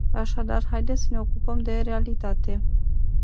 Așadar haideți să ne ocupăm de realitate.